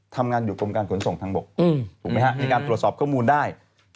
ทำงานอยู่กรมการขนส่งทางบกถูกไหมฮะมีการตรวจสอบข้อมูลได้